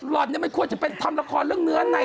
อนเนี่ยมันควรจะเป็นทำละครเรื่องเนื้อใน